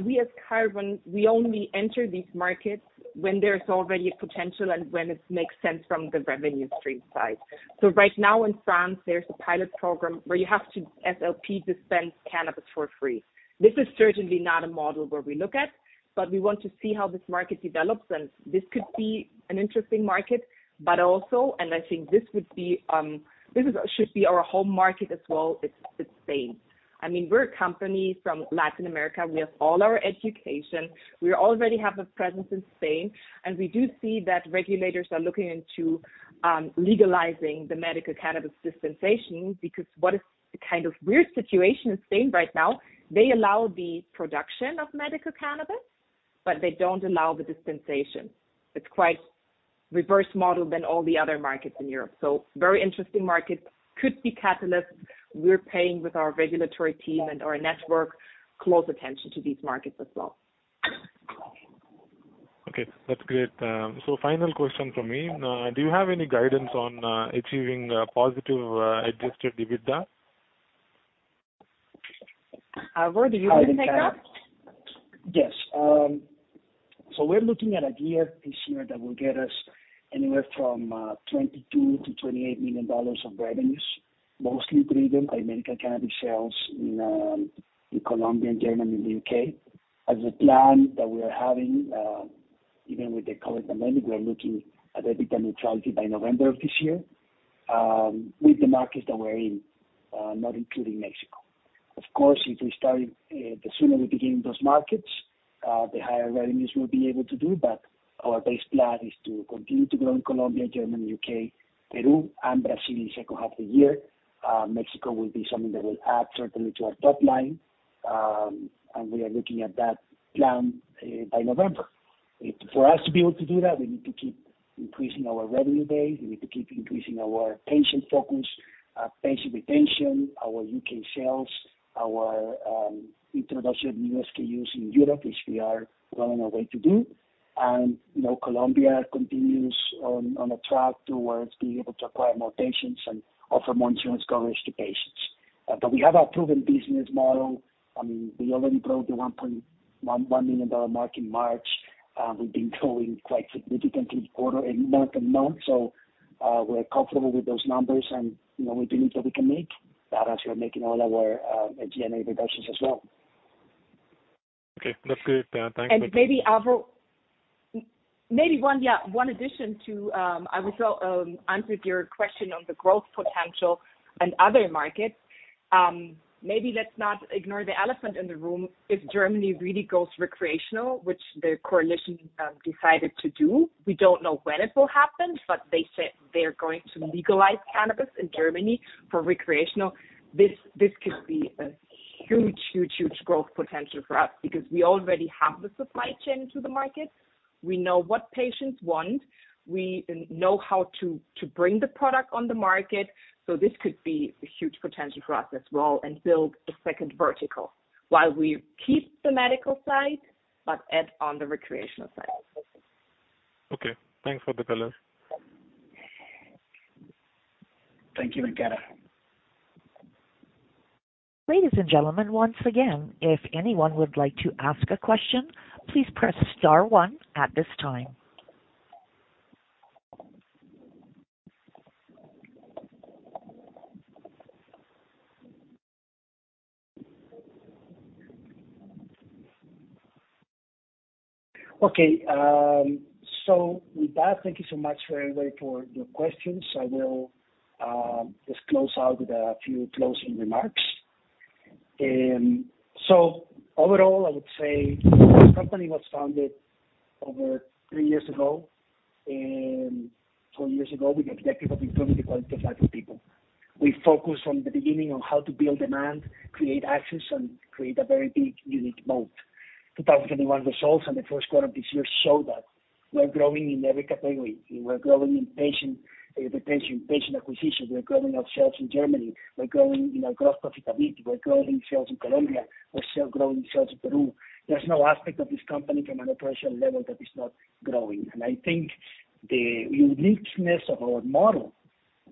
We as Khiron, we only enter these markets when there's already a potential and when it makes sense from the revenue stream side. Right now in France, there's a pilot program where you have to, as LP, dispense cannabis for free. This is certainly not a model where we look at, but we want to see how this market develops, and this could be an interesting market. I think this would be should be our home market as well, it's Spain. I mean, we're a company from Latin America. We have all our operations. We already have a presence in Spain, and we do see that regulators are looking into legalizing the medical cannabis dispensation. Because what is the kind of weird situation in Spain right now, they allow the production of medical cannabis, but they don't allow the dispensation. It's quite reverse model than all the other markets in Europe. Very interesting market. Could be catalyst. We're paying with our regulatory team and our network close attention to these markets as well. Okay, that's great. Final question from me. Do you have any guidance on achieving positive adjusted EBITDA? Alvaro, do you wanna take that? Hi, Venkata. Yes. So we're looking at a year this year that will get us anywhere from $22 million-$28 million of revenues, mostly driven by medical cannabis sales in Colombia and Germany and the UK. As a plan that we are having, even with the COVID pandemic, we are looking at EBITDA neutrality by November of this year, with the markets that we're in, not including Mexico. Of course, if we start, the sooner we begin those markets, the higher revenues we'll be able to do. Our base plan is to continue to grow in Colombia, Germany, UK, Peru and Brazil in second half of the year. Mexico will be something that will add certainly to our top line. We are looking at that plan, by November. For us to be able to do that, we need to keep increasing our revenue base. We need to keep increasing our patient focus, patient retention, our U.K. sales, our introduction of new SKUs in Europe, which we are well on our way to do. You know, Colombia continues on a track towards being able to acquire more patients and offer more insurance coverage to patients. But we have our proven business model. I mean, we already broke the $1 million mark in March. We've been growing quite significantly quarter-over-quarter and month-on-month, so we're comfortable with those numbers. You know, we believe that we can make that as we are making all our G&A reductions as well. Okay. That's great. Thank you very much. Maybe one, yeah, one addition to, I will answer your question on the growth potential in other markets. Maybe let's not ignore the elephant in the room. If Germany really goes recreational, which the coalition decided to do, we don't know when it will happen, but they said they're going to legalize cannabis in Germany for recreational. This could be a huge growth potential for us because we already have the supply chain to the market. We know what patients want. We know how to bring the product on the market. So this could be a huge potential for us as well and build a second vertical while we keep the medical side, but add on the recreational side. Okay, thanks for the color. Thank you, Angela. Ladies and gentlemen, once again, if anyone would like to ask a question, please press star one at this time. Okay, with that, thank you so much for everybody for your questions. I will just close out with a few closing remarks. Overall, I would say this company was founded over three years ago, four years ago, with the objective of improving the quality of life of people. We focused from the beginning on how to build demand, create access, and create a very big unique moat. 2021 results and the first quarter of this year show that we're growing in every category. We're growing in patient retention, patient acquisition. We're growing our sales in Germany. We're growing in our gross profitability. We're growing sales in Colombia. We're still growing sales in Peru. There's no aspect of this company from an operational level that is not growing. I think the uniqueness of our model,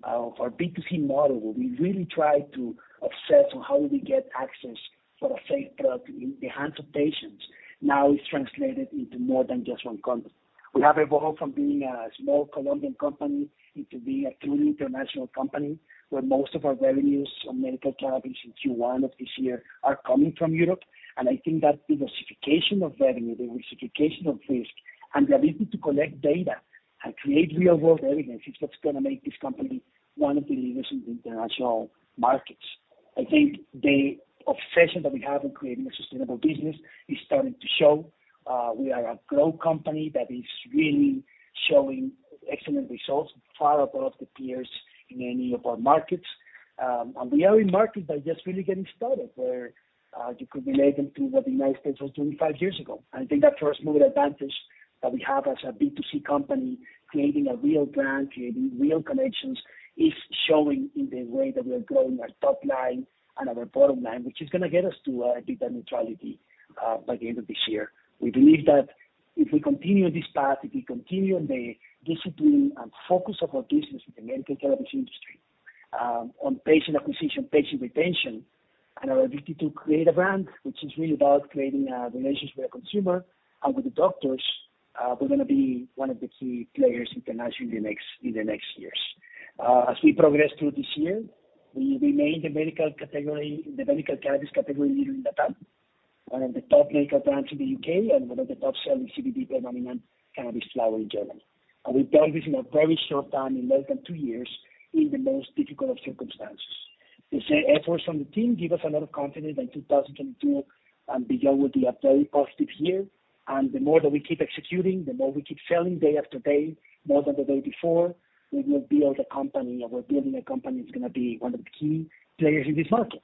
our B2C model, where we really try to obsess on how we get access for a safe product in the hands of patients now is translated into more than just one country. We have evolved from being a small Colombian company into being a truly international company, where most of our revenues on medical cannabis in Q1 of this year are coming from Europe. I think that diversification of revenue, the diversification of risk, and the ability to collect data and create real-world evidence is what's gonna make this company one of the leaders in the international markets. I think the obsession that we have in creating a sustainable business is starting to show. We are a growth company that is really showing excellent results, far above the peers in any of our markets, and we are in markets that are just really getting started, where you could relate them to what the United States was 25 years ago. I think that first-mover advantage that we have as a B2C company, creating a real brand, creating real connections, is showing in the way that we are growing our top line and our bottom line, which is gonna get us to EBITDA neutrality by the end of this year. We believe that if we continue this path, if we continue the discipline and focus of our business in the medical cannabis industry, on patient acquisition, patient retention, and our ability to create a brand, which is really about creating a relationship with the consumer and with the doctors, we're gonna be one of the key players internationally next, in the next years. As we progress through this year, we remain the medical category, the medical cannabis category leader in LatAm, one of the top medical brands in the UK and one of the top-selling CBD predominant cannabis flower in Germany. We've done this in a very short time, in less than two years, in the most difficult of circumstances. These efforts from the team give us a lot of confidence that 2022 and beyond will be a very positive year. The more that we keep executing, the more we keep selling day after day, more than the day before, we will build a company. We're building a company that's gonna be one of the key players in this market.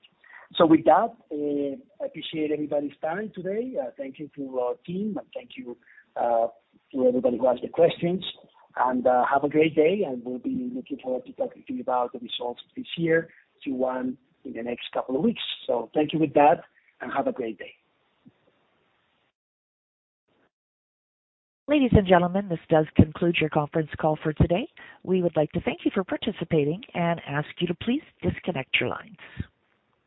With that, I appreciate everybody's time today. Thank you to our team, and thank you to everybody who asked the questions. Have a great day, and we'll be looking forward to talking to you about the results of this year, Q1, in the next couple of weeks. Thank you with that, and have a great day. Ladies and gentlemen, this does conclude your conference call for today. We would like to thank you for participating and ask you to please disconnect your lines.